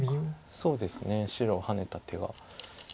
そうですね白ハネた手が。